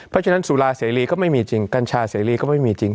เพราะฉะนั้นสุราเสรีก็ไม่มีจริงกัญชาเสรีก็ไม่มีจริง